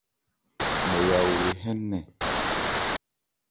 Nmɔya ole hɛ́n nnɛn.